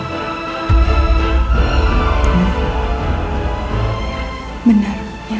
kamu harus percaya